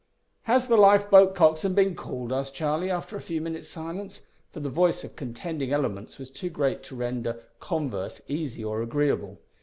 "Has the lifeboat coxswain been called?" asked Charlie, after a few minutes' silence, for the voice of contending elements was too great to render converse easy or agreeable.